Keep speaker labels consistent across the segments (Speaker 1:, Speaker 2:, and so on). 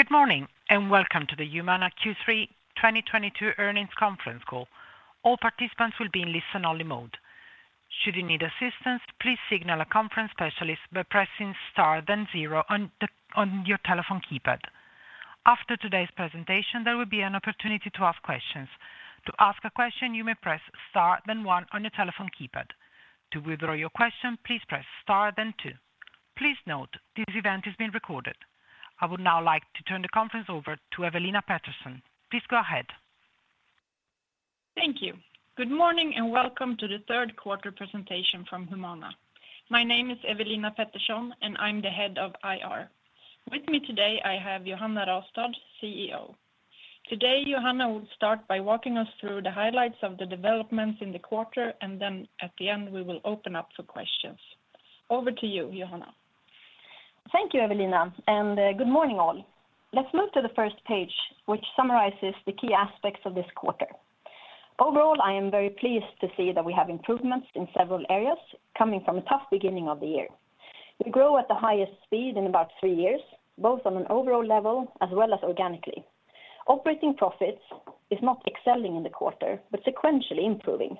Speaker 1: Good morning, and welcome to the Humana Q3 2022 Earnings Conference Call. All participants will be in listen-only mode. Should you need assistance, please signal a conference specialist by pressing Star, then zero on your telephone keypad. After today's presentation, there will be an opportunity to ask questions. To ask a question, you may press Star then one on your telephone keypad. To withdraw your question, please press Star then two. Please note, this event is being recorded. I would now like to turn the conference over to Ewelina Pettersson. Please go ahead.
Speaker 2: Thank you. Good morning, and welcome to the third quarter presentation from Humana. My name is Ewelina Pettersson, and I'm the head of IR. With me today, I have Johanna Rastad, CEO. Today, Johanna will start by walking us through the highlights of the developments in the quarter, and then at the end, we will open up for questions. Over to you, Johanna.
Speaker 3: Thank you, Ewelina, and good morning, all. Let's move to the first page, which summarizes the key aspects of this quarter. Overall, I am very pleased to see that we have improvements in several areas coming from a tough beginning of the year. We grow at the highest speed in about three years, both on an overall level as well as organically. Operating profits is not excelling in the quarter, but sequentially improving.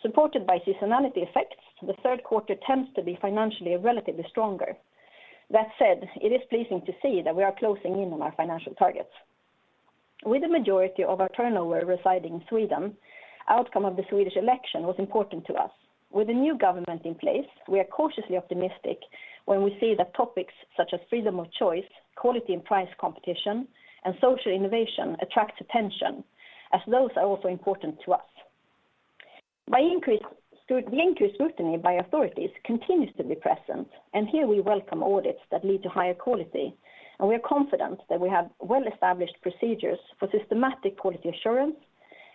Speaker 3: Supported by seasonality effects, the third quarter tends to be financially relatively stronger. That said, it is pleasing to see that we are closing in on our financial targets. With the majority of our turnover residing in Sweden, outcome of the Swedish election was important to us. With the new government in place, we are cautiously optimistic when we see that topics such as freedom of choice, quality and price competition, and social innovation attracts attention, as those are also important to us. The increased scrutiny by authorities continues to be present, and here we welcome audits that lead to higher quality, and we are confident that we have well-established procedures for systematic quality assurance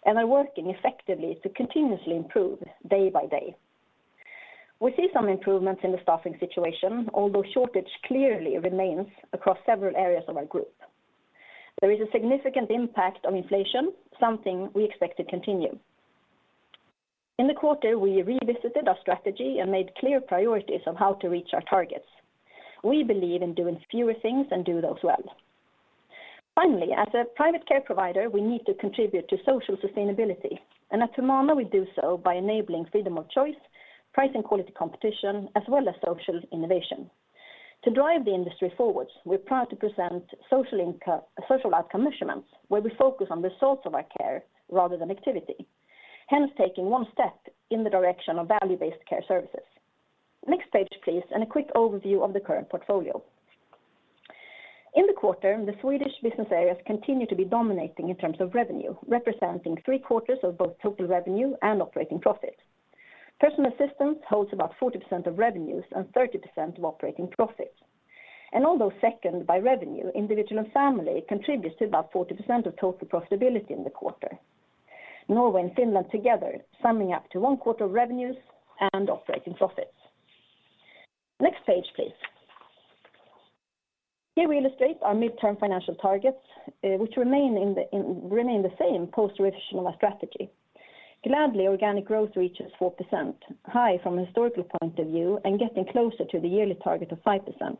Speaker 3: and are working effectively to continuously improve day by day. We see some improvements in the staffing situation, although shortage clearly remains across several areas of our group. There is a significant impact on inflation, something we expect to continue. In the quarter, we revisited our strategy and made clear priorities on how to reach our targets. We believe in doing fewer things and do those well. Finally, as a private care provider, we need to contribute to social sustainability, and at Humana, we do so by enabling freedom of choice, price and quality competition, as well as social innovation. To drive the industry forward, we're proud to present social outcome measurements, where we focus on results of our care rather than activity. Hence, taking one step in the direction of value-based care services. Next page, please, and a quick overview of the current portfolio. In the quarter, the Swedish business areas continue to be dominating in terms of revenue, representing 3/4 of both total revenue and operating profit. Personal Assistance holds about 40% of revenues and 30% of operating profit. Although second by revenue, Individual & Family contributes to about 40% of total profitability in the quarter. Norway and Finland together summing up to one quarter of revenues and operating profits. Next page, please. Here we illustrate our midterm financial targets, which remain the same post revision of our strategy. Gladly, organic growth reaches 4%, high from a historical point of view and getting closer to the yearly target of 5%.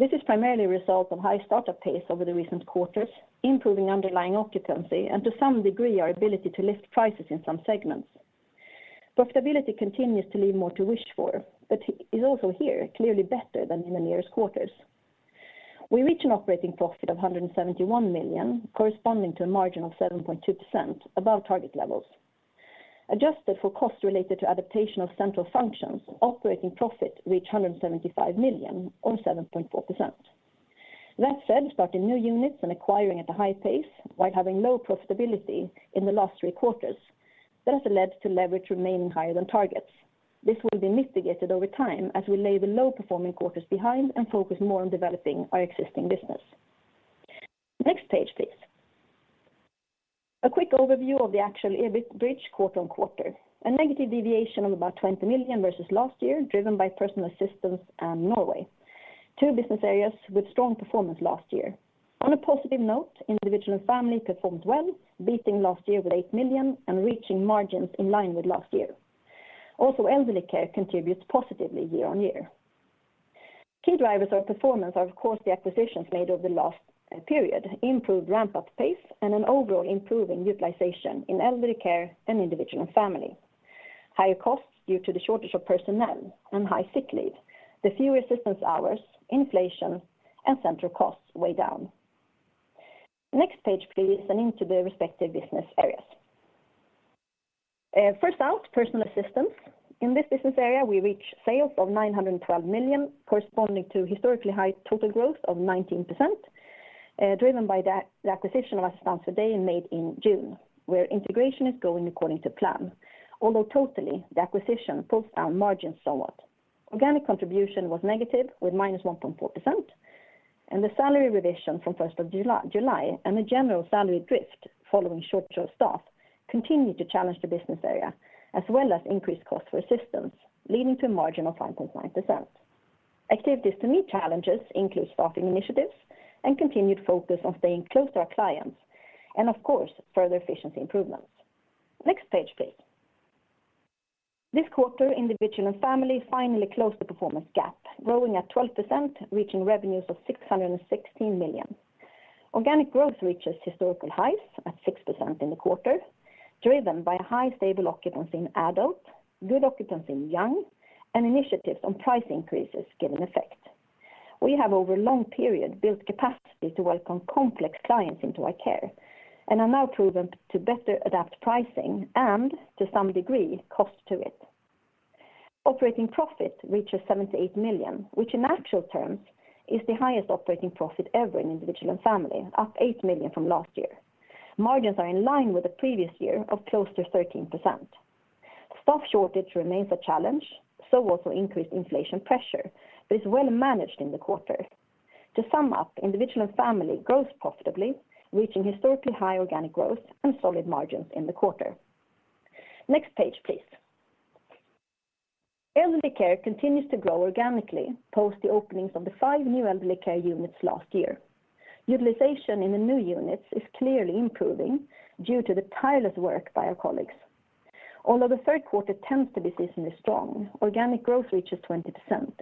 Speaker 3: This is primarily a result of high startup pace over the recent quarters, improving underlying occupancy, and to some degree, our ability to lift prices in some segments. Profitability continues to leave more to wish for, but is also here clearly better than in the nearest quarters. We reach an operating profit of 171 million, corresponding to a margin of 7.2% above target levels. Adjusted for costs related to adaptation of central functions, operating profit reach 175 million or 7.4%. That said, starting new units and acquiring at a high pace while having low profitability in the last three quarters, that has led to leverage remaining higher than targets. This will be mitigated over time as we lay the low-performing quarters behind and focus more on developing our existing business. Next page, please. A quick overview of the actual EBIT bridge quarter-over-quarter. A negative deviation of about 20 million versus last year, driven by Personal Assistance and Norway. Two business areas with strong performance last year. On a positive note, Individual & Family performed well, beating last year with 8 million and reaching margins in line with last year. Also, Elderly Care contributes positively year-over-year. Key drivers of performance are, of course, the acquisitions made over the last period, improved ramp-up pace, and an overall improving utilization in Elderly Care and Individual & Family. Higher costs due to the shortage of personnel and high sick leave. The fewer assistance hours, inflation, and central costs weigh down. Next page, please, and into the respective business areas. First out, Personal Assistance. In this business area, we reach sales of 912 million, corresponding to historically high total growth of 19%, driven by the acquisition of Assistans för dig made in June, where integration is going according to plan. Although totally, the acquisition pulls down margins somewhat. Organic contribution was negative with -1.4%, and the salary revision from first of July and a general salary drift following shortage of staff continued to challenge the business area, as well as increased cost for assistance, leading to a margin of 5.9%. Activities to meet challenges include staffing initiatives and continued focus on staying close to our clients and, of course, further efficiency improvements. Next page, please. This quarter, Individual & Family finally closed the performance gap, growing at 12%, reaching revenues of 616 million. Organic growth reaches historical highs at 6% in the quarter, driven by high stable occupancy in adult, good occupancy in young, and initiatives on price increases giving effect. We have over a long period built capacity to welcome complex clients into our care and are now proven to better adapt pricing and to some degree cost to it. Operating profit reaches 78 million, which in actual terms is the highest operating profit ever in Individual and Family, up 8 million from last year. Margins are in line with the previous year of close to 13%. Staff shortage remains a challenge, so also increased inflation pressure, but it's well managed in the quarter. To sum up, Individual and Family grows profitably, reaching historically high organic growth and solid margins in the quarter. Next page, please. Elderly Care continues to grow organically post the openings of the 5 new Elderly Care units last year. Utilization in the new units is clearly improving due to the tireless work by our colleagues. Although the third quarter tends to be seasonally strong, organic growth reaches 20%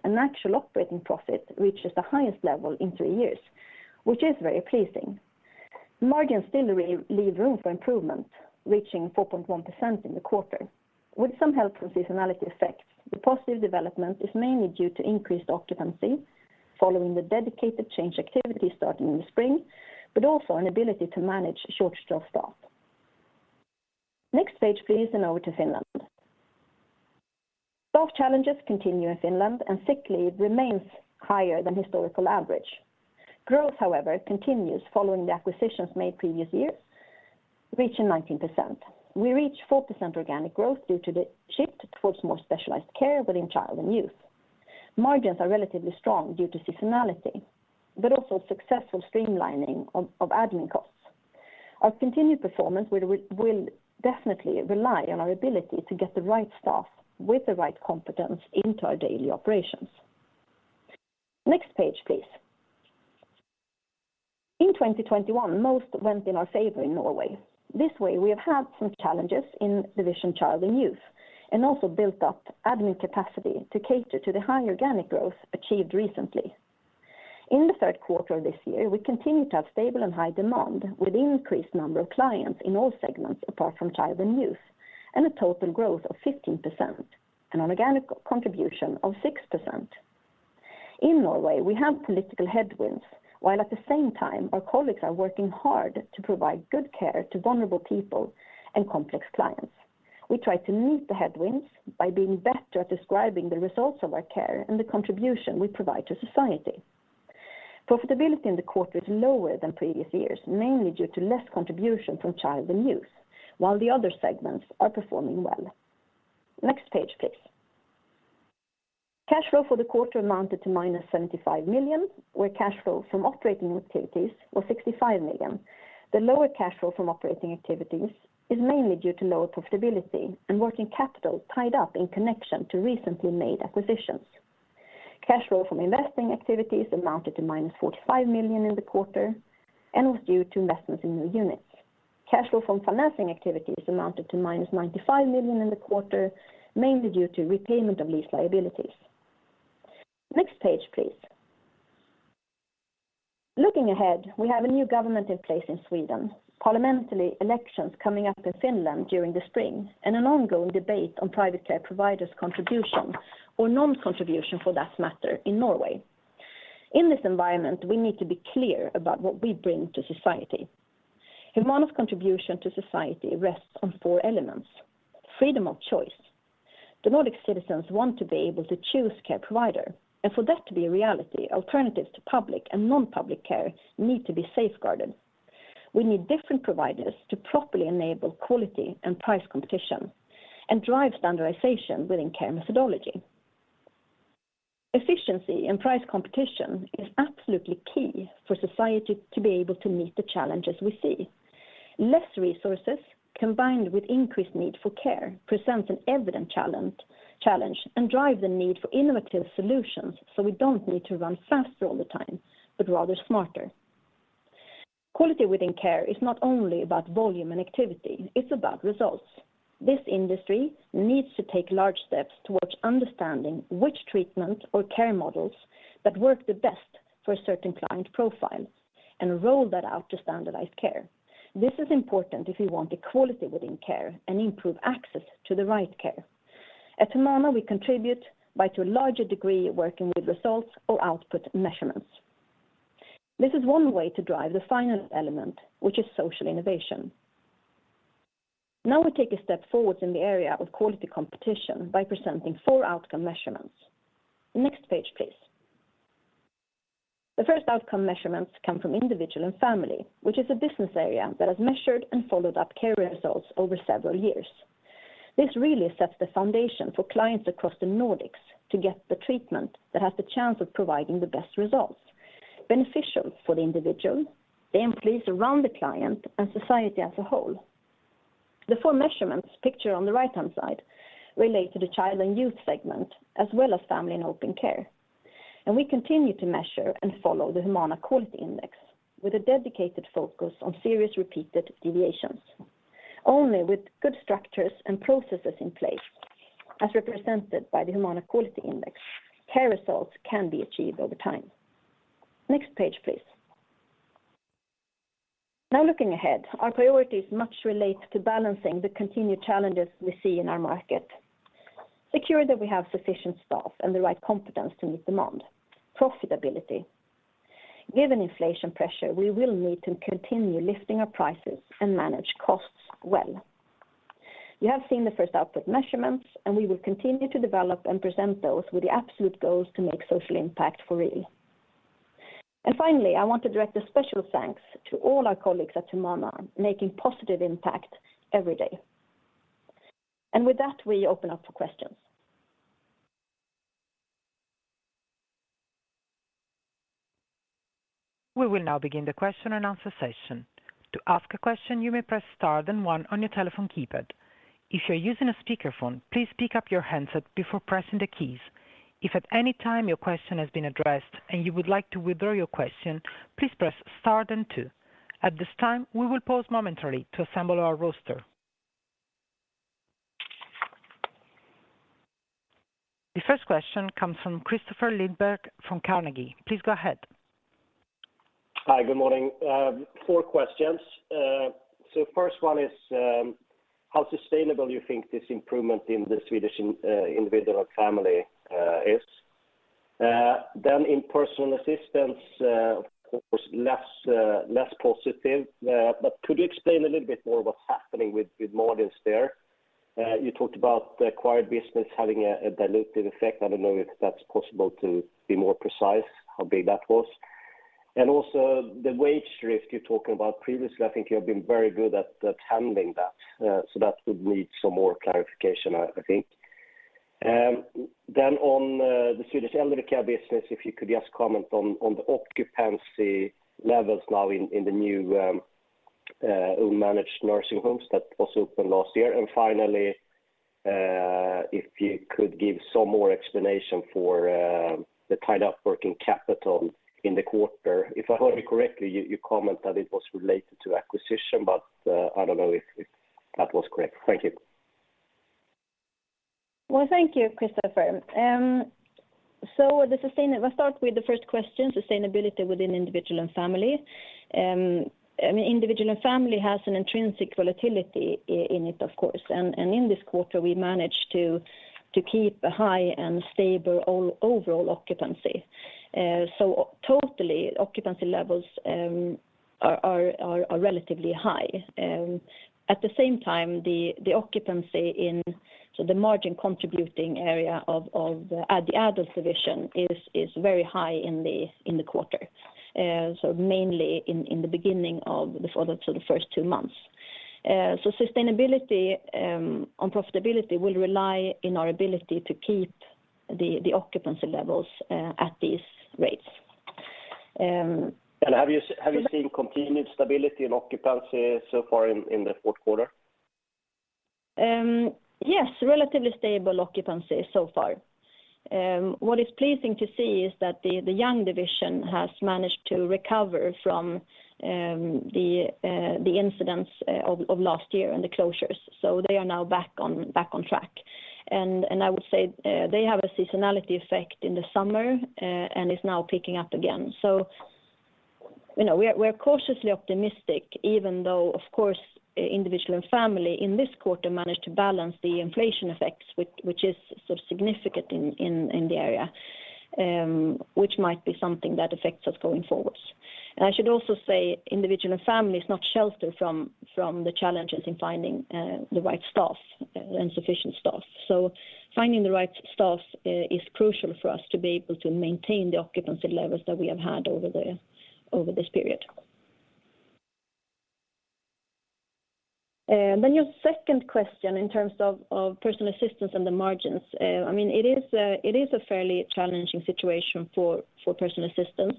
Speaker 3: and actual operating profit reaches the highest level in three years, which is very pleasing. Margins still leave room for improvement, reaching 4.1% in the quarter. With some help from seasonality effects, the positive development is mainly due to increased occupancy following the dedicated change activity starting in the spring, but also an ability to manage short staff. Next page, please, and over to Finland. Staff challenges continue in Finland and sick leave remains higher than historical average. Growth, however, continues following the acquisitions made previous years, reaching 19%. We reach 4% organic growth due to the shift towards more specialized care within child and youth. Margins are relatively strong due to seasonality, but also successful streamlining of admin costs. Our continued performance will definitely rely on our ability to get the right staff with the right competence into our daily operations. Next page, please. In 2021, most went in our favor in Norway. This year, we have had some challenges in the Division Child and Youth, and also built up admin capacity to cater to the higher organic growth achieved recently. In the third quarter of this year, we continue to have stable and high demand with increased number of clients in all segments apart from Child and Youth, and a total growth of 15% and an organic contribution of 6%. In Norway, we have political headwinds, while at the same time our colleagues are working hard to provide good care to vulnerable people and complex clients. We try to meet the headwinds by being better at describing the results of our care and the contribution we provide to society. Profitability in the quarter is lower than previous years, mainly due to less contribution from Child and Youth, while the other segments are performing well. Next page, please. Cash flow for the quarter amounted to -75 million, where cash flow from operating activities was 65 million. The lower cash flow from operating activities is mainly due to lower profitability and working capital tied up in connection to recently made acquisitions. Cash flow from investing activities amounted to -45 million in the quarter and was due to investments in new units. Cash flow from financing activities amounted to -95 million in the quarter, mainly due to repayment of lease liabilities. Next page, please. Looking ahead, we have a new government in place in Sweden, parliamentary elections coming up in Finland during the spring, and an ongoing debate on private care providers' contribution or non-contribution for that matter in Norway. In this environment, we need to be clear about what we bring to society. Humana's contribution to society rests on four elements. Freedom of choice. The Nordic citizens want to be able to choose care provider, and for that to be a reality, alternatives to public and non-public care need to be safeguarded. We need different providers to properly enable quality and price competition and drive standardization within care methodology. Efficiency and price competition is absolutely key for society to be able to meet the challenges we see. Less resources combined with increased need for care presents an evident challenge and drive the need for innovative solutions, so we don't need to run faster all the time, but rather smarter. Quality within care is not only about volume and activity, it's about results. This industry needs to take large steps towards understanding which treatment or care models that work the best for a certain client profile and roll that out to standardized care. This is important if we want equality within care and improve access to the right care. At Humana, we contribute by to a larger degree, working with results or output measurements. This is one way to drive the final element, which is social innovation. Now we take a step forward in the area of quality competition by presenting four outcome measurements. Next page, please. The first outcome measurements come from Individual & Family, which is a business area that has measured and followed up care results over several years. This really sets the foundation for clients across the Nordics to get the treatment that has the chance of providing the best results, beneficial for the individual, the employees around the client and society as a whole. The four measurements pictured on the right-hand side relate to the Child and Youth segment, as well as Family and Open care. We continue to measure and follow the Humana Quality Index with a dedicated focus on serious repeated deviations. Only with good structures and processes in place, as represented by the Humana Quality Index, care results can be achieved over time. Next page, please. Now looking ahead, our priorities much relate to balancing the continued challenges we see in our market. Secure that we have sufficient staff and the right competence to meet demand. Profitability. Given inflation pressure, we will need to continue lifting our prices and manage costs well. You have seen the first output measurements, and we will continue to develop and present those with the absolute goals to make social impact for real. Finally, I want to direct a special thanks to all our colleagues at Humana making positive impact every day. With that, we open up for questions.
Speaker 1: We will now begin the question and answer session. To ask a question, you may press star, then one on your telephone keypad. If you're using a speakerphone, please pick up your handset before pressing the keys. If at any time your question has been addressed and you would like to withdraw your question, please press star then two. At this time, we will pause momentarily to assemble our roster. The first question comes from Christoffer Herou from Carnegie. Please go ahead.
Speaker 4: Hi. Good morning. Four questions. First one is, how sustainable you think this improvement in the Swedish Individual & Family is? In Personal Assistance, of course, less positive. Could you explain a little bit more what's happening with margins there? You talked about the acquired business having a dilutive effect. I don't know if that's possible to be more precise, how big that was. Also the wage risk you're talking about previously, I think you have been very good at handling that. That would need some more clarification, I think. On the Swedish Elderly Care business, if you could just comment on the occupancy levels now in the new own managed nursing homes that also opened last year. Finally, if you could give some more explanation for the tied up working capital in the quarter. If I heard you correctly, you comment that it was related to acquisition, but I don't know if that was correct. Thank you.
Speaker 3: Well, thank you, Christopher. I'll start with the first question, sustainability within Individual & Family. I mean, Individual & Family has an intrinsic volatility in it of course. In this quarter we managed to keep a high and stable overall occupancy. Total occupancy levels are relatively high. At the same time, the occupancy in the margin contributing area of the adult division is very high in the quarter. Mainly in the beginning of the first two months. Sustainability on profitability will rely in our ability to keep the occupancy levels at these rates.
Speaker 4: And have you s-
Speaker 3: So the-
Speaker 4: Have you seen continued stability in occupancy so far in the fourth quarter?
Speaker 3: Yes. Relatively stable occupancy so far. What is pleasing to see is that the Child and Youth division has managed to recover from the incidents of last year and the closures. They are now back on track. I would say they have a seasonality effect in the summer and it's now picking up again. You know, we are cautiously optimistic even though, of course, Individual & Family in this quarter managed to balance the inflation effects, which is sort of significant in the area, which might be something that affects us going forward. I should also say Individual & Family is not sheltered from the challenges in finding the right staff and sufficient staff. Finding the right staff is crucial for us to be able to maintain the occupancy levels that we have had over this period. Your second question in terms of Personal Assistance and the margins. I mean, it is a fairly challenging situation for Personal Assistance.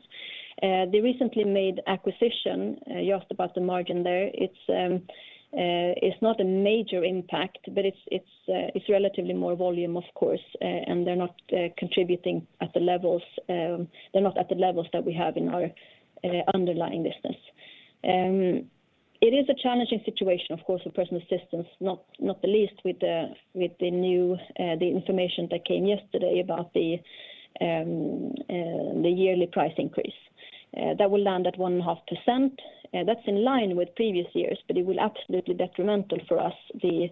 Speaker 3: The recently made acquisition you asked about the margin there. It's not a major impact, but it's relatively more volume of course. And they're not contributing at the levels that we have in our underlying business. It is a challenging situation of course with Personal Assistance, not the least with the new information that came yesterday about the yearly price increase. That will land at 1.5%. That's in line with previous years, but it will be absolutely detrimental for us, the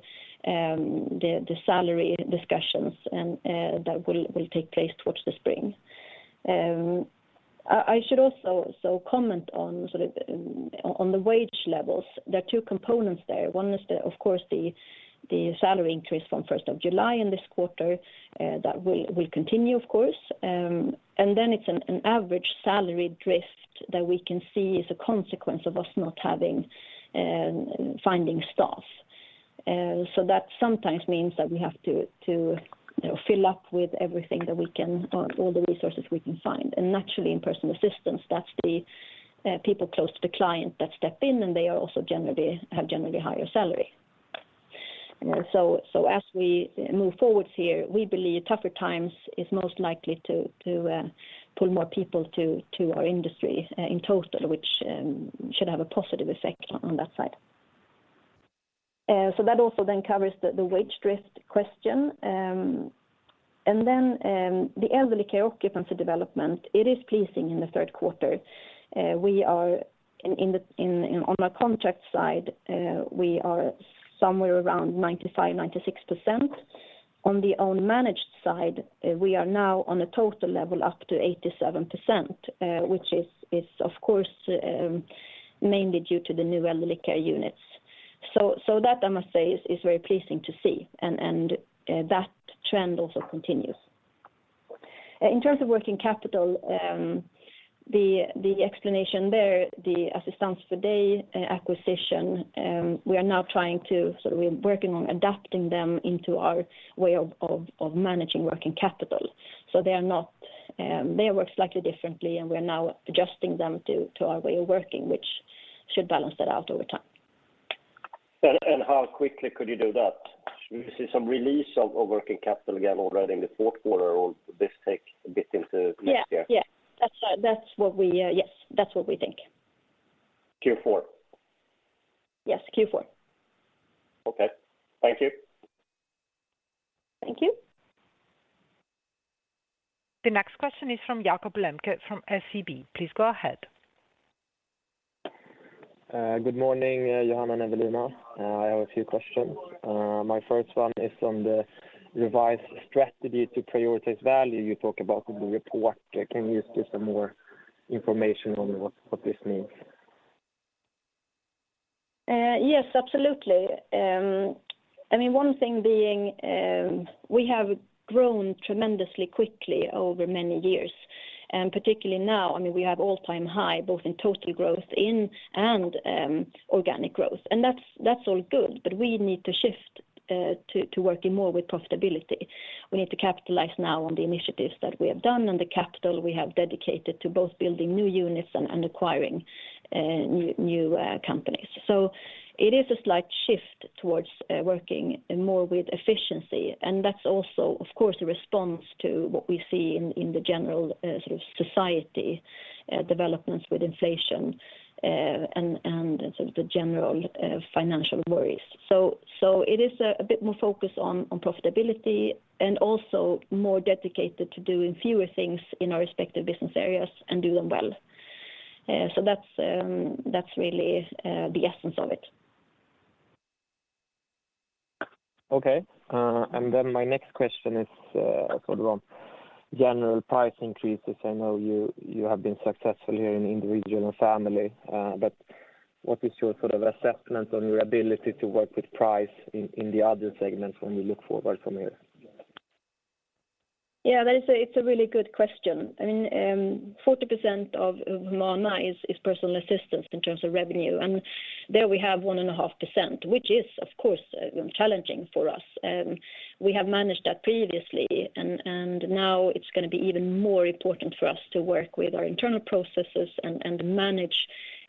Speaker 3: salary discussions that will take place towards the spring. I should also comment on the wage levels. There are two components there. One is, of course, the salary increase from first of July in this quarter, that will continue of course. Then it's an average salary drift that we can see is a consequence of us not finding staff. That sometimes means that we have to, you know, fill up with everything that we can or all the resources we can find. Naturally in Personal Assistance, that's the people close to the client that step in, and they also generally have higher salary. So as we move forwards here, we believe tougher times is most likely to pull more people to our industry in total, which should have a positive effect on that side. So that also then covers the wage drift question. The Elderly Care occupancy development is pleasing in the third quarter. We are on a contract side, we are somewhere around 95%-96%. On the owned managed side, we are now on a total level up to 87%, which is of course mainly due to the new Elderly Care units. That I must say is very pleasing to see, and that trend also continues. In terms of working capital, the explanation there, the Assistans för dig acquisition, we are now working on adapting them into our way of managing working capital. They are not, they work slightly differently, and we're now adjusting them to our way of working, which should balance that out over time.
Speaker 4: How quickly could you do that? Should we see some release of working capital again already in the fourth quarter, or will this take a bit into next year?
Speaker 3: Yeah. That's what we think.
Speaker 4: Q4?
Speaker 3: Yes. Q4.
Speaker 4: Okay. Thank you.
Speaker 3: Thank you.
Speaker 1: The next question is from Jakob Lembke from SEB. Please go ahead.
Speaker 5: Good morning, Johanna and Evelina. I have a few questions. My first one is on the revised strategy to prioritize value you talk about in the report. Can you give some more information on what this means?
Speaker 3: Yes, absolutely. I mean, one thing being, we have grown tremendously quickly over many years, particularly now. I mean, we have all-time high, both in total growth and organic growth. That's all good, but we need to shift to working more with profitability. We need to capitalize now on the initiatives that we have done and the capital we have dedicated to both building new units and acquiring new companies. It is a slight shift towards working more with efficiency. That's also of course a response to what we see in the general sort of society developments with inflation and sort of the general financial worries. It is a bit more focus on profitability and also more dedicated to doing fewer things in our respective business areas and do them well. That's really the essence of it.
Speaker 5: My next question is, sort of on general price increases. I know you have been successful here in Individual & Family, but what is your sort of assessment on your ability to work with price in the other segments when we look forward from here?
Speaker 3: Yeah, it's a really good question. I mean, 40% of Humana is personal assistance in terms of revenue. There we have 1.5%, which is of course challenging for us. We have managed that previously and now it's gonna be even more important for us to work with our internal processes and manage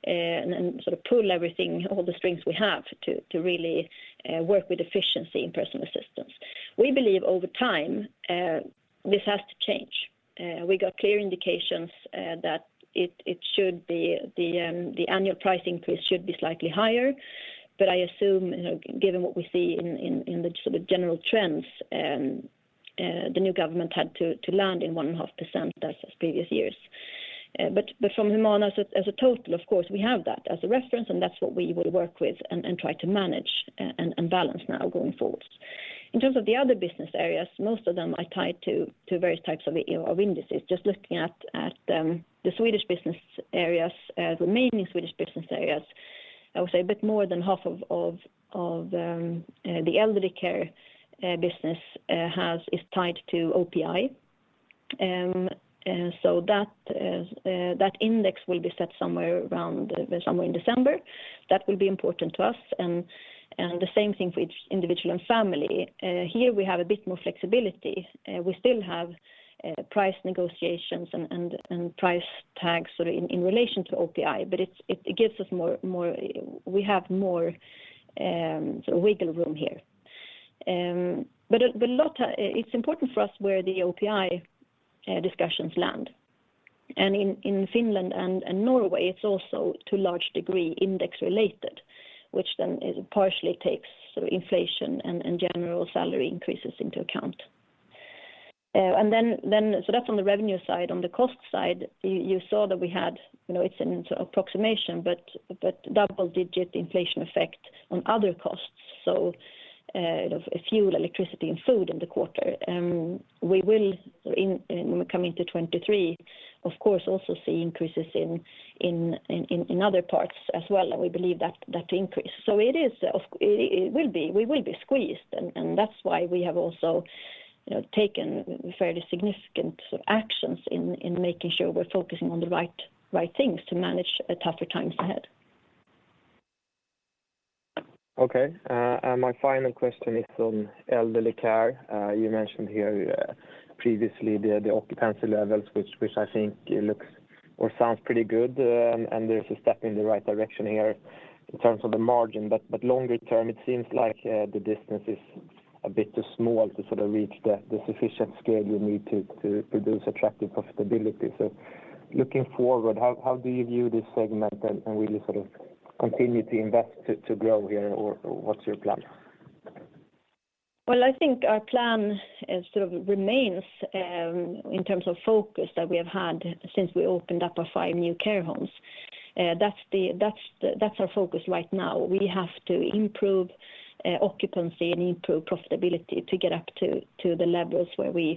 Speaker 3: and sort of pull everything, all the strengths we have to really work with efficiency in personal assistance. We believe over time this has to change. We got clear indications that the annual price increase should be slightly higher, but I assume, you know, given what we see in the sort of general trends, the new government had to land in 1.5% as previous years. From Humana as a total, of course, we have that as a reference, and that's what we will work with and try to manage and balance now going forward. In terms of the other business areas, most of them are tied to various types of indices. Just looking at the Swedish business areas, remaining Swedish business areas, I would say a bit more than half of the Elderly Care business is tied to OPI. So that index will be set somewhere in December. That will be important to us and the same thing for the Individual & Family. Here we have a bit more flexibility. We still have price negotiations and price tags sort of in relation to OPI, but it gives us more, we have more sort of wiggle room here. But a lot, it's important for us where the OPI discussions land. In Finland and Norway, it's also to a large degree index related, which then partially takes sort of inflation and general salary increases into account. That's on the revenue side. On the cost side, you saw that we had, you know, it's a sort of approximation, but double-digit inflation effect on other costs. You know, fuel, electricity, and food in the quarter. We will in coming to 2023, of course, also see increases in other parts as well, and we believe that increase. It will be, we will be squeezed, and that's why we have also, you know, taken fairly significant sort of actions in making sure we're focusing on the right things to manage tougher times ahead.
Speaker 5: Okay. My final question is on Elderly Care. You mentioned here previously the occupancy levels, which I think looks or sounds pretty good, and there's a step in the right direction here in terms of the margin. Longer term, it seems like the distance is a bit too small to sort of reach the sufficient scale you need to produce attractive profitability. Looking forward, how do you view this segment and will you sort of continue to invest to grow here, or what's your plan?
Speaker 3: Well, I think our plan, sort of remains, in terms of focus that we have had since we opened up our five new care homes. That's our focus right now. We have to improve, occupancy and improve profitability to get up to the levels where we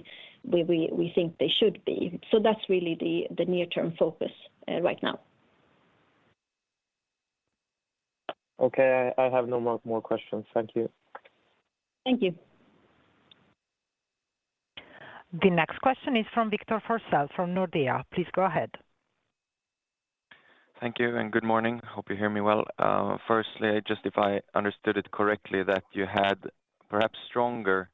Speaker 3: think they should be. That's really the near-term focus right now.
Speaker 5: Okay. I have no more questions. Thank you.
Speaker 3: Thank you.
Speaker 1: The next question is from Victor Forssell from Nordea. Please go ahead.
Speaker 6: Thank you and good morning. Hope you hear me well. Firstly, just if I understood it correctly that you had perhaps stronger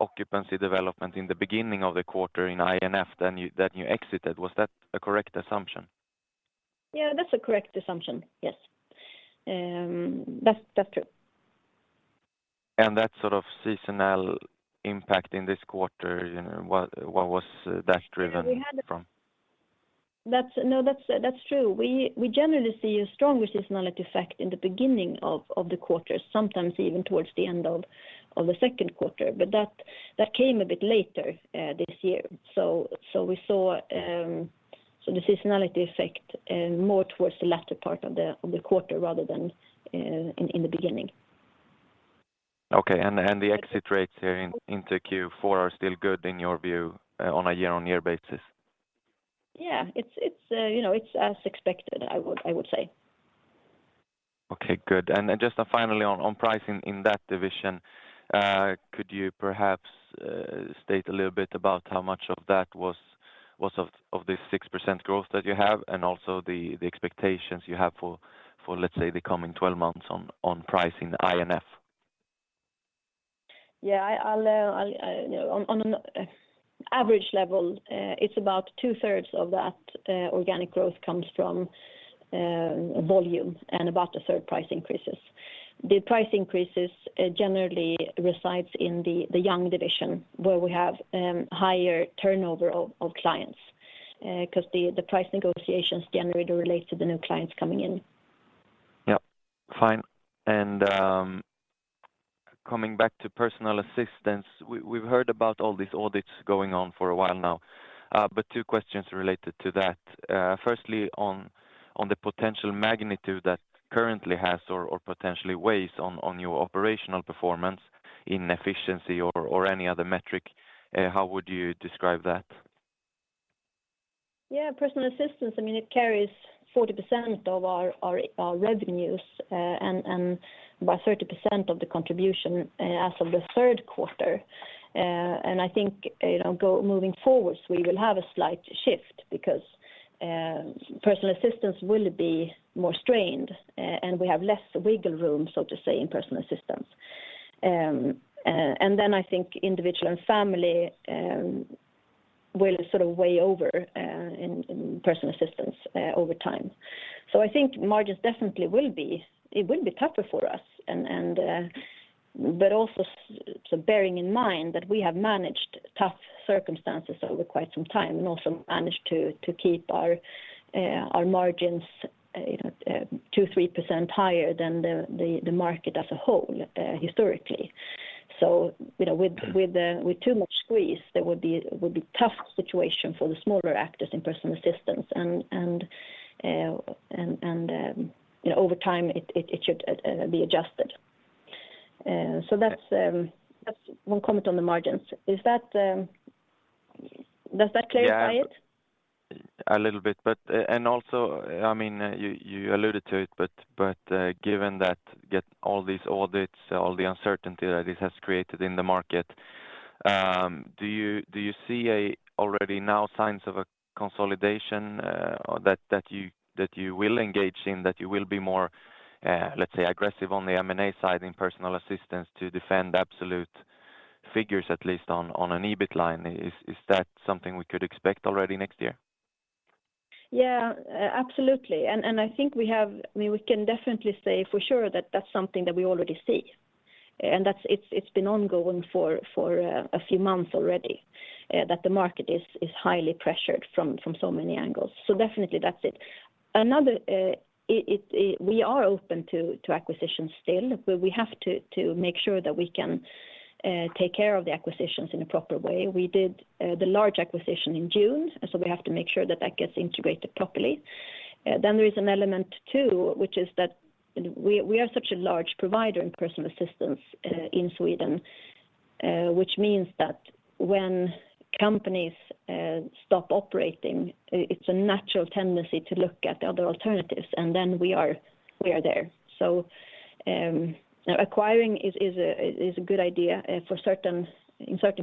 Speaker 6: occupancy development in the beginning of the quarter in I&F than you exited. Was that a correct assumption?
Speaker 3: Yeah, that's a correct assumption. Yes. That's true.
Speaker 6: That sort of seasonal impact in this quarter, you know, what was that driven from?
Speaker 3: That's true. We generally see a stronger seasonality effect in the beginning of the quarter, sometimes even towards the end of the second quarter. That came a bit later this year. We saw the seasonality effect more towards the latter part of the quarter rather than in the beginning.
Speaker 6: Okay. The exit rates here into Q4 are still good in your view, on a year-over-year basis?
Speaker 3: Yeah. It's, you know, it's as expected, I would say.
Speaker 6: Okay, good. Just finally on pricing in that division, could you perhaps state a little bit about how much of that was of the 6% growth that you have and also the expectations you have for, let's say, the coming twelve months on pricing I&F?
Speaker 3: Yeah. I'll you know, on an average level, it's about two-thirds of that organic growth comes from volume and about a third price increases. The price increases generally resides in the young division where we have higher turnover of clients because the price negotiations generally relate to the new clients coming in.
Speaker 6: Yeah. Fine. Coming back to Personal Assistance, we've heard about all these audits going on for a while now, but two questions related to that. Firstly, on the potential magnitude that currently has or potentially weighs on your operational performance and efficiency or any other metric, how would you describe that?
Speaker 3: Yeah. Personal Assistance, I mean, it carries 40% of our revenues and about 30% of the contribution as of the third quarter. I think, you know, moving forward, we will have a slight shift because personal assistance will be more strained and we have less wiggle room, so to say, in Personal Assistance. And then I think Individual & Family will sort of weigh over in Personal Assistance over time. I think margins definitely will be tougher for us and but also so bearing in mind that we have managed tough circumstances over quite some time and also managed to keep our margins, you know, 2%-3% higher than the market as a whole historically. You know, with too much squeeze, there would be tough situation for the smaller actors in Personal Assistance. You know, over time, it should be adjusted. That's one comment on the margins. Does that clarify it?
Speaker 6: Yeah. A little bit. Also, I mean, you alluded to it, but given all these audits, all the uncertainty that this has created in the market, do you see any already now signs of a consolidation that you will engage in, that you will be more, let's say, aggressive on the M&A side in Personal Assistance to defend absolute figures, at least on an EBIT line? Is that something we could expect already next year?
Speaker 3: Yeah. Absolutely. I mean, we can definitely say for sure that that's something that we already see. That's, it's been ongoing for a few months already, that the market is highly pressured from so many angles. Definitely that's it. We are open to acquisitions still, but we have to make sure that we can take care of the acquisitions in a proper way. We did the large acquisition in June, so we have to make sure that that gets integrated properly. There is an element too, which is that we are such a large provider in personal assistance in Sweden, which means that when companies stop operating, it's a natural tendency to look at other alternatives, and then we are there. Acquiring is a good idea for certain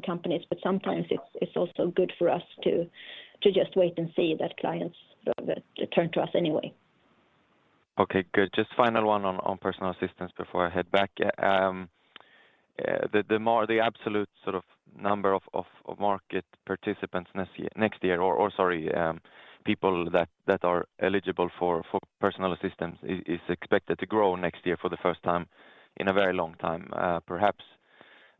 Speaker 3: companies, but sometimes it's also good for us to just wait and see that clients sort of turn to us anyway.
Speaker 6: Okay, good. Just final one on personal assistance before I head back. The absolute sort of number of people that are eligible for personal assistance is expected to grow next year for the first time in a very long time. Perhaps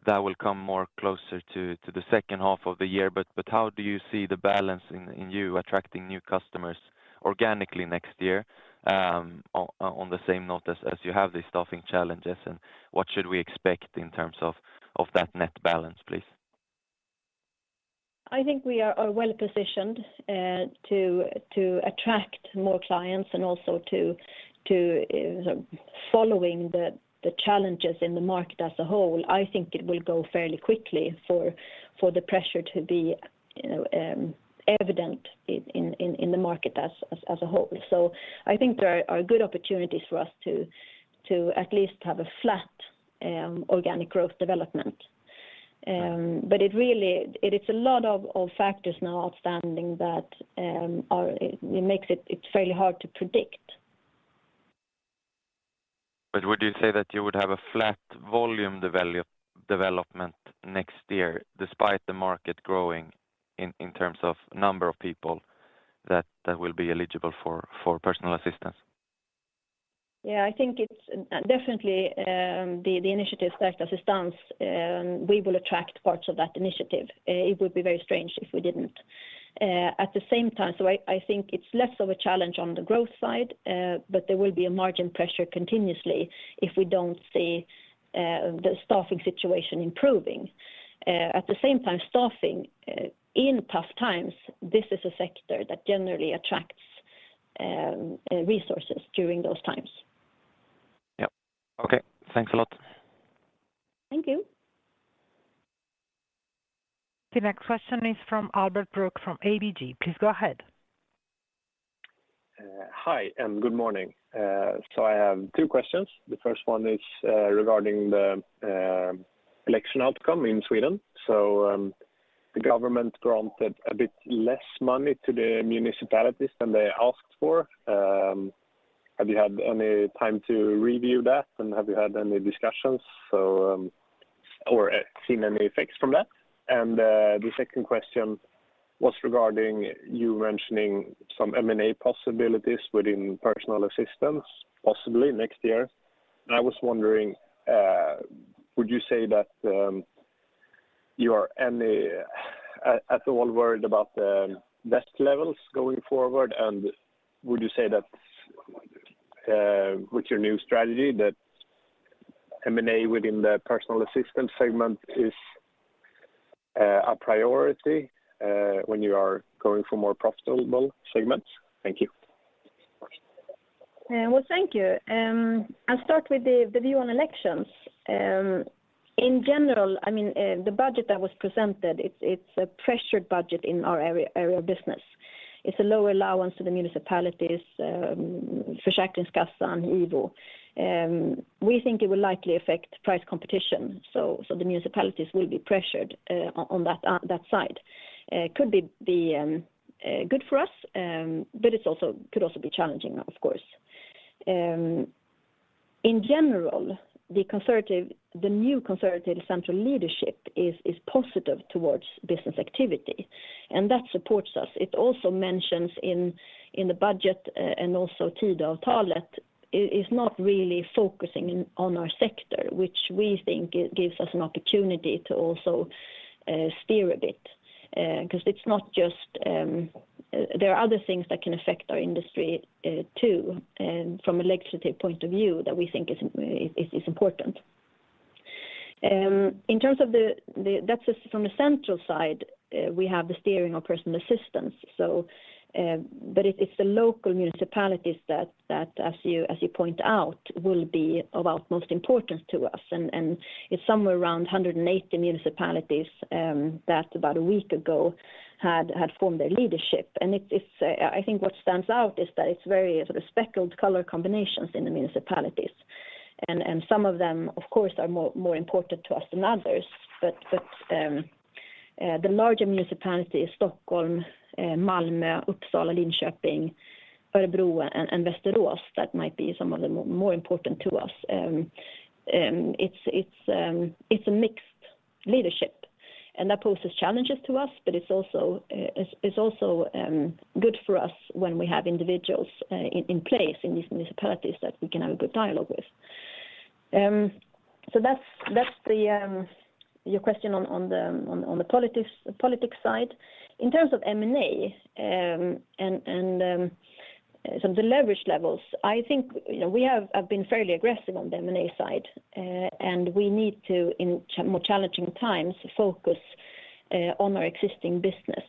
Speaker 6: that will come more closer to the second half of the year. How do you see the balance in your attracting new customers organically next year on the same note as you have these staffing challenges, and what should we expect in terms of that net balance, please?
Speaker 3: I think we are well-positioned following the challenges in the market as a whole. I think it will go fairly quickly for the pressure to be, you know, evident in the market as a whole. I think there are good opportunities for us to at least have a flat organic growth development. It is a lot of factors now outstanding that it's fairly hard to predict.
Speaker 6: Would you say that you would have a flat volume development next year despite the market growing in terms of number of people that will be eligible for personal assistance?
Speaker 3: Yeah, I think it's definitely the initiative Starta Assistans. We will attract parts of that initiative. It would be very strange if we didn't. At the same time, I think it's less of a challenge on the growth side, but there will be a margin pressure continuously if we don't see the staffing situation improving. At the same time, staffing in tough times, this is a sector that generally attracts resources during those times.
Speaker 6: Yeah. Okay. Thanks a lot.
Speaker 3: Thank you.
Speaker 1: The next question is from Albert Broks from ABG. Please go ahead.
Speaker 7: Hi, and good morning. I have two questions. The first one is regarding the election outcome in Sweden. The government granted a bit less money to the municipalities than they asked for. Have you had any time to review that, and have you had any discussions or seen any effects from that? The second question was regarding you mentioning some M&A possibilities within personal assistance, possibly next year. I was wondering, would you say that you are at all worried about the debt levels going forward? Would you say that with your new strategy that M&A within the personal assistant segment is a priority when you are going for more profitable segments? Thank you.
Speaker 3: Well, thank you. I'll start with the view on elections. In general, I mean, the budget that was presented, it's a pressured budget in our area of business. It's a lower allowance to the municipalities, Försäkringskassan, IVO. We think it will likely affect price competition. The municipalities will be pressured on that side. It could be good for us, but it could also be challenging, of course. In general, the new conservative central leadership is positive towards business activity, and that supports us. It also mentions in the budget, and also Tidöavtalet is not really focusing on our sector, which we think gives us an opportunity to also steer a bit. Because it's not just. There are other things that can affect our industry, too, from a legislative point of view that we think is important. In terms of, that's just from the central side, we have the steering of personal assistance. It is the local municipalities that, as you point out, will be of utmost importance to us. It is somewhere around 180 municipalities that about a week ago had formed their leadership. I think what stands out is that it is very sort of speckled color combinations in the municipalities. Some of them, of course, are more important to us than others. The larger municipality is Stockholm, Malmö, Uppsala, Linköping, Örebro, and Västerås. That might be some of the more important to us. It's a mixed leadership, and that poses challenges to us, but it's also good for us when we have individuals in place in these municipalities that we can have a good dialogue with. That's your question on the politics side. In terms of M&A and so the leverage levels, I think, you know, we have been fairly aggressive on the M&A side, and we need to, in more challenging times, focus on our existing business.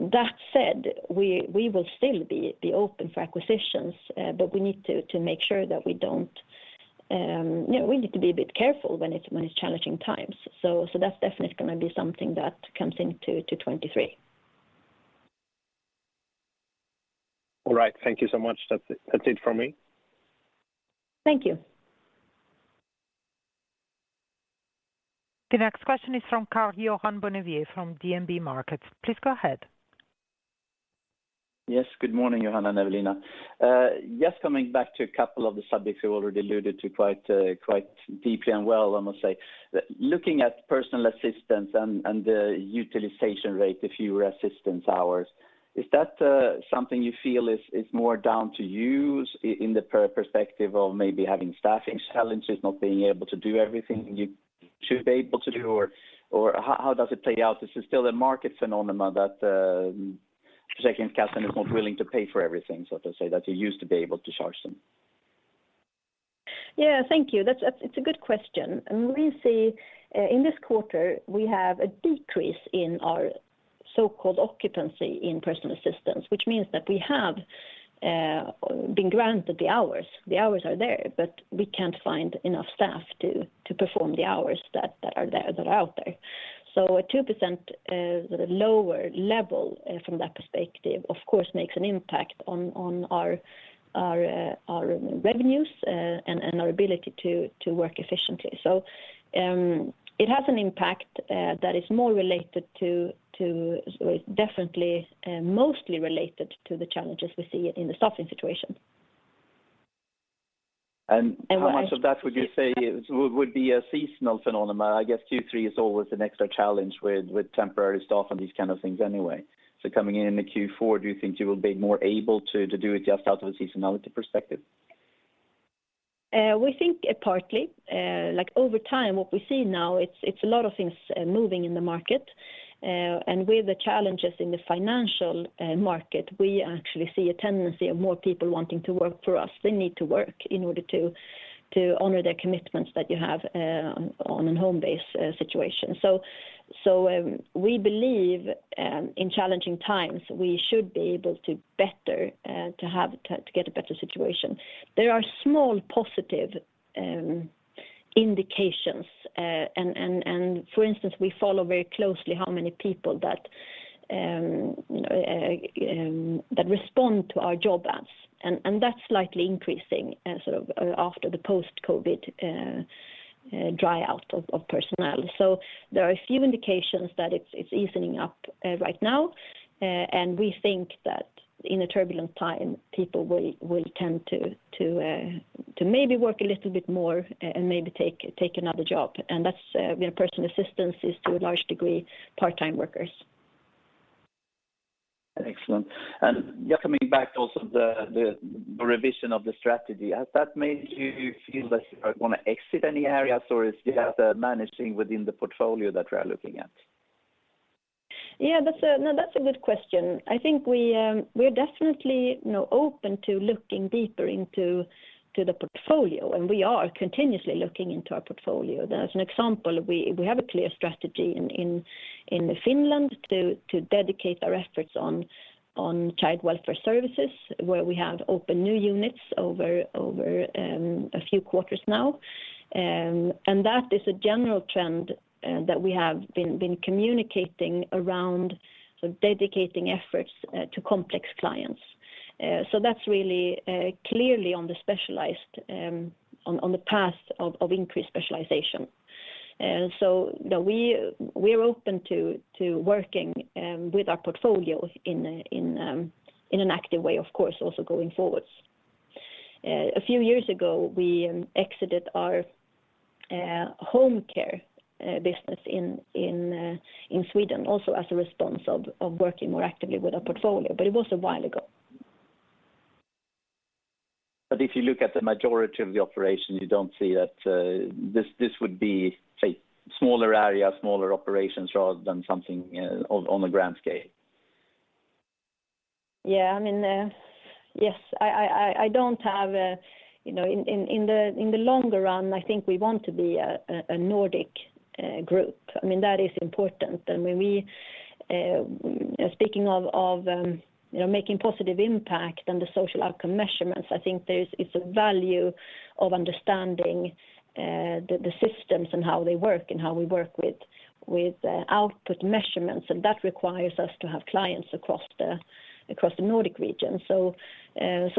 Speaker 3: That said, we will still be open for acquisitions, but we need to make sure that we don't. You know, we need to be a bit careful when it's challenging times. That's definitely gonna be something that comes into 2023.
Speaker 7: All right. Thank you so much. That's it from me.
Speaker 3: Thank you.
Speaker 1: The next question is from Karl-Johan Bonnevier from DNB Markets. Please go ahead.
Speaker 8: Yes, good morning, Johan and Evelina. Just coming back to a couple of the subjects you already alluded to quite deeply and well, I must say. Looking at Personal Assistance and the utilization rate, the fewer assistance hours, is that something you feel is more down to you in the perspective of maybe having staffing challenges, not being able to do everything you should be able to do, or how does it play out? Is it still a market phenomenon that the customer is not willing to pay for everything, so to say, that you used to be able to charge them?
Speaker 3: Yeah, thank you. That's a good question. We see in this quarter we have a decrease in our so-called occupancy in personal assistance, which means that we have been granted the hours. The hours are there, but we can't find enough staff to perform the hours that are there, that are out there. A 2% lower level from that perspective, of course, makes an impact on our revenues and our ability to work efficiently. It has an impact that is more related to, definitely, mostly related to the challenges we see in the staffing situation.
Speaker 8: How much of that would you say would be a seasonal phenomenon? I guess Q3 is always an extra challenge with temporary staff and these kind of things anyway. Coming in the Q4, do you think you will be more able to do it just out of a seasonality perspective?
Speaker 3: We think partly. Like over time, what we see now, it's a lot of things moving in the market. With the challenges in the financial market, we actually see a tendency of more people wanting to work for us. They need to work in order to honor their commitments that you have on a home-based situation. We believe in challenging times, we should be able to better to get a better situation. There are small positive indications. For instance, we follow very closely how many people that respond to our job ads. That's slightly increasing sort of after the post-COVID dry out of personnel. There are a few indications that it's easing up, right now. We think that in a turbulent time, people will tend to maybe work a little bit more and maybe take another job. That's, you know, Personal Assistance is to a large degree part-time workers.
Speaker 8: Excellent. Just coming back also to the revision of the strategy. Has that made you feel that you want to exit any areas, or is it just managing within the portfolio that we're looking at?
Speaker 3: No, that's a good question. I think we're definitely, you know, open to looking deeper into the portfolio, and we are continuously looking into our portfolio. As an example, we have a clear strategy in Finland to dedicate our efforts on child welfare services, where we have opened new units over a few quarters now. That is a general trend that we have been communicating around dedicating efforts to complex clients. That's really clearly on the specialized on the path of increased specialization. You know, we're open to working with our portfolio in an active way, of course, also going forwards. A few years ago, we exited our home care business in Sweden, also as a response to working more actively with our portfolio, but it was a while ago.
Speaker 8: If you look at the majority of the operations, you don't see that this would be, say, smaller areas, smaller operations, rather than something on a grand scale.
Speaker 3: You know, in the longer run, I think we want to be a Nordic group. I mean, that is important. Speaking of you know, making positive impact on the social outcome measurements, I think it's a value of understanding the systems and how they work and how we work with output measurements, and that requires us to have clients across the Nordic region. That's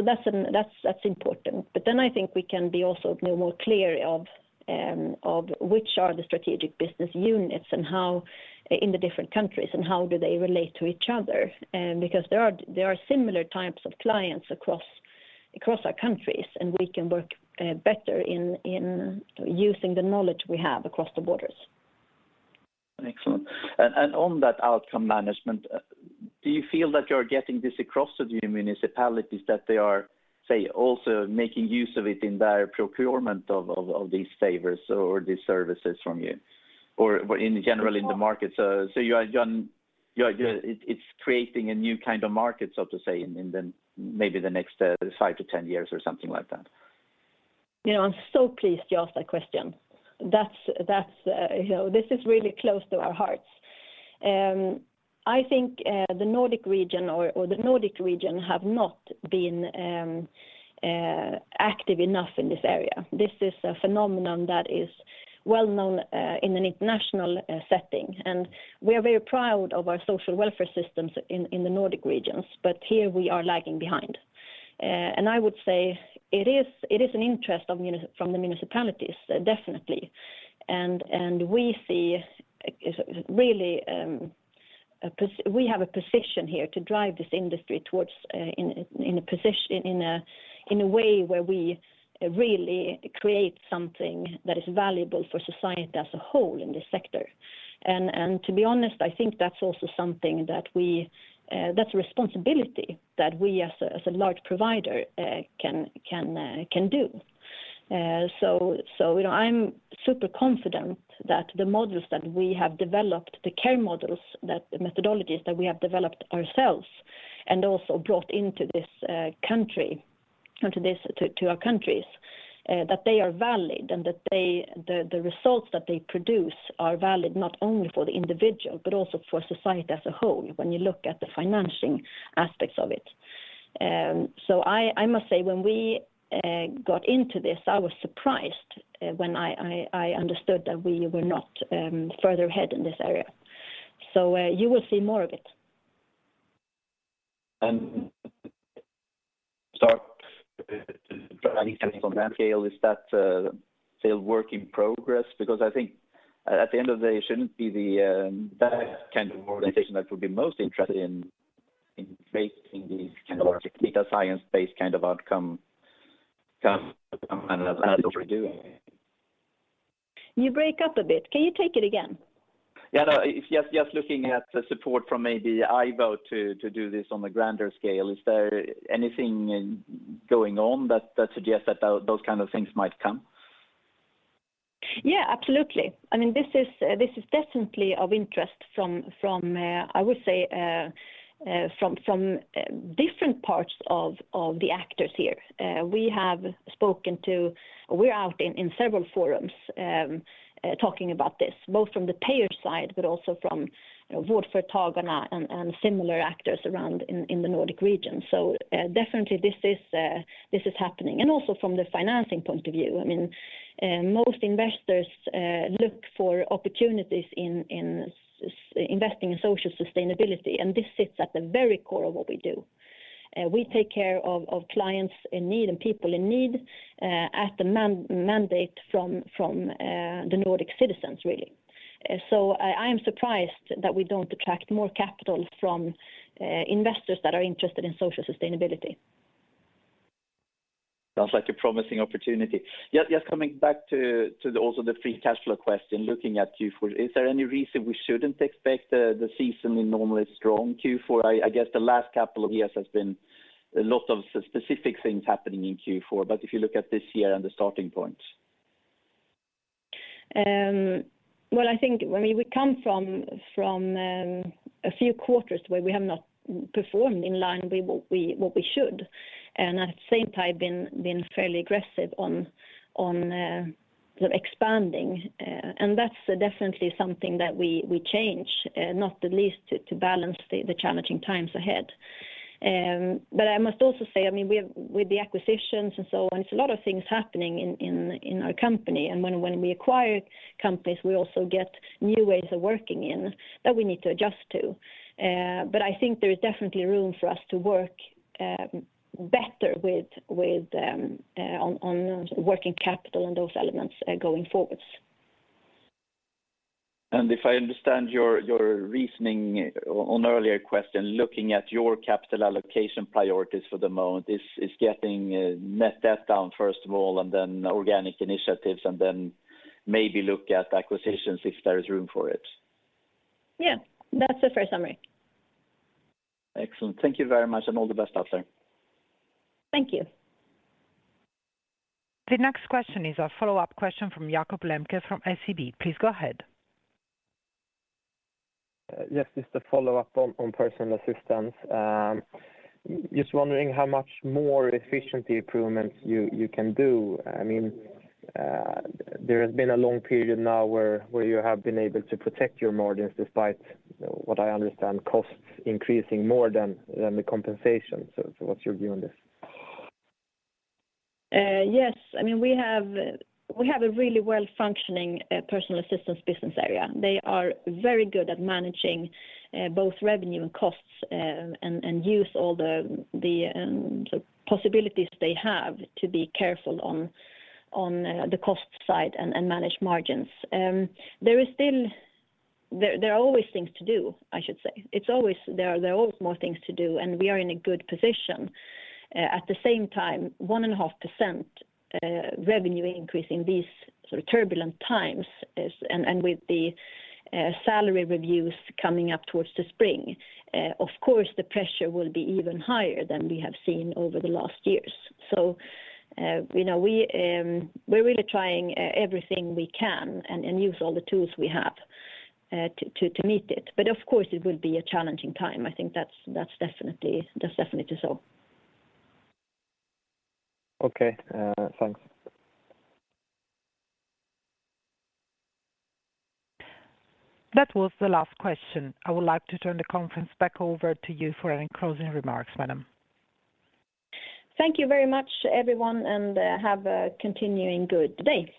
Speaker 3: important. I think we can be also you know, more clear of which are the strategic business units and how in the different countries and how do they relate to each other. Because there are similar types of clients across our countries, and we can work better in using the knowledge we have across the borders.
Speaker 8: Excellent. On that outcome management, do you feel that you're getting this across to the municipalities that they are, say, also making use of it in their procurement of these favors or these services from you? Or in general in the market? It's creating a new kind of market, so to say, in the maybe the next 5-10 years or something like that.
Speaker 3: You know, I'm so pleased you asked that question. You know, this is really close to our hearts. I think the Nordic region have not been active enough in this area. This is a phenomenon that is well known in an international setting. We are very proud of our social welfare systems in the Nordic regions, but here we are lagging behind. I would say it is an interest from the municipalities, definitely. We see really we have a position here to drive this industry towards in a way where we really create something that is valuable for society as a whole in this sector. To be honest, I think that's also something that we, that's a responsibility that we as a large provider can do. You know, I'm super confident that the models that we have developed, the methodologies that we have developed ourselves and also brought into this country, to our countries, that they are valid and that the results that they produce are valid not only for the individual, but also for society as a whole when you look at the financing aspects of it. I must say, when we got into this, I was surprised when I understood that we were not further ahead in this area. You will see more of it.
Speaker 8: Is that still work in progress? Because I think at the end of the day, it shouldn't be that kind of organization that would be most interested in making these kind of data science-based kind of outcome computing.
Speaker 3: You break up a bit. Can you take it again?
Speaker 8: Yeah, no. Just looking at the support from maybe IVO to do this on a grander scale, is there anything going on that suggests that those kind of things might come?
Speaker 3: Yeah, absolutely. I mean, this is definitely of interest from different parts of the actors here. We're out in several forums talking about this, both from the payer side, but also from Vårdföretagarna and similar actors around in the Nordic region. Definitely this is happening. Also from the financing point of view. I mean, most investors look for opportunities in investing in social sustainability, and this sits at the very core of what we do. We take care of clients in need and people in need at the mandate from the Nordic citizens, really. I am surprised that we don't attract more capital from investors that are interested in social sustainability.
Speaker 8: Sounds like a promising opportunity. Yeah, just coming back to also the free cash flow question, looking at Q4, is there any reason we shouldn't expect the seasonally normally strong Q4? I guess the last couple of years has been a lot of specific things happening in Q4, but if you look at this year and the starting point.
Speaker 3: Well, I think, I mean, we come from a few quarters where we have not performed in line with what we should, and at the same time been fairly aggressive on expanding. That's definitely something that we change, not the least to balance the challenging times ahead. I must also say, I mean, with the acquisitions and so on, it's a lot of things happening in our company. When we acquire companies, we also get new ways of working in that we need to adjust to. I think there is definitely room for us to work better on working capital and those elements going forwards.
Speaker 8: If I understand your reasoning on earlier question, looking at your capital allocation priorities for the moment is getting net debt down first of all, and then organic initiatives, and then maybe look at acquisitions if there is room for it.
Speaker 3: Yeah. That's a fair summary.
Speaker 8: Excellent. Thank you very much, and all the best out there.
Speaker 3: Thank you.
Speaker 1: The next question is a follow-up question from Jakob Lembke from SEB. Please go ahead.
Speaker 5: Yes, just a follow-up on Personal Assistance. Just wondering how much more efficiency improvements you can do. I mean, there has been a long period now where you have been able to protect your margins despite, what I understand, costs increasing more than the compensation. What's your view on this?
Speaker 3: Yes. I mean, we have a really well-functioning Personal Assistance business area. They are very good at managing both revenue and costs, and use all the possibilities they have to be careful on the cost side and manage margins. There are always things to do, I should say. There are always more things to do, and we are in a good position. At the same time, 1.5% revenue increase in these sort of turbulent times is. With the salary reviews coming up towards the spring, of course, the pressure will be even higher than we have seen over the last years. You know, we're really trying everything we can and use all the tools we have to meet it. Of course, it will be a challenging time. I think that's definitely so.
Speaker 5: Okay. Thanks.
Speaker 1: That was the last question. I would like to turn the conference back over to you for any closing remarks, madam.
Speaker 3: Thank you very much, everyone, and have a continuing good day.